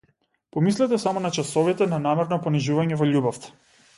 Помислете само на часовите на намерно понижување во љубовта!